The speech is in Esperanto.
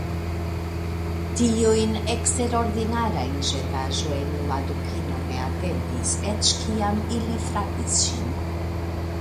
Tiujn eksterordinarajn ĵetaĵojn la Dukino ne atentis, eĉ kiam ili frapis ŝin.